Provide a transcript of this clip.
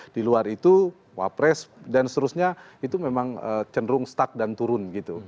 di luar itu wapres dan seterusnya itu memang cenderung stuck dan turun gitu